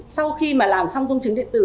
sau khi mà làm xong công chứng điện tử